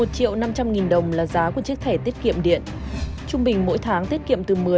các bạn hãy đăng kí cho kênh lalaschool để không bỏ lỡ những video hấp dẫn